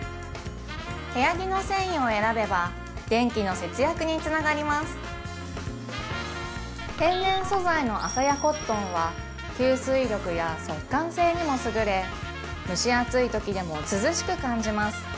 部屋着の繊維を選べば電気の節約につながります天然素材の麻やコットンは吸水力や速乾性にもすぐれ蒸し暑いときでも涼しく感じます